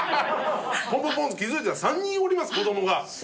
ポンポンポンと気づいたら３人おります子供が。